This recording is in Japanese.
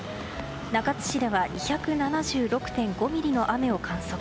中津市では２７６．５ミリの雨を観測。